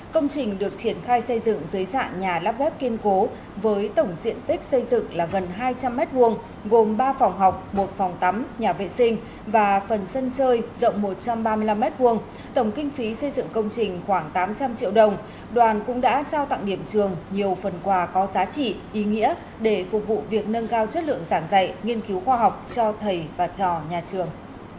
công trình được triển khai xây dựng dưới dạng nhà lắp ghép kiên cố với tổng diện tích xây dựng là gần hai trăm linh m hai gồm ba phòng học một phòng tắm nhà vệ sinh và phần sân chơi rộng một trăm ba mươi năm m hai tổng kinh phí xây dựng công trình khoảng tám trăm linh triệu đồng đoàn cũng đã trao tặng điểm trường nhiều phần quà có giá trị ý nghĩa để phục vụ việc nâng cao chất lượng giảng dạy nghiên cứu khoa học cho thầy và trò nhà trường